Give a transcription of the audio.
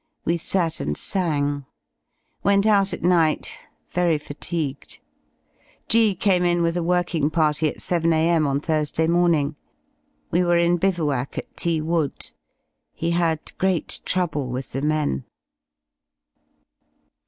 We sat and sang. Went out at night; very fatigued! G came in with a working party at 7 a.m. on Thursday morning. We were in bivouac at T Wood. He had great trouble with the men.